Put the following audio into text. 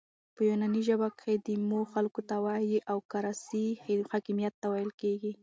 په یوناني ژبه کښي ديمو خلکو ته وایي او کراسي حاکمیت ته ویل کیږي.